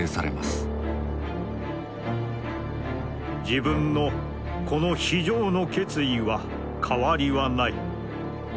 「自分の此の非常の決意は変りはない。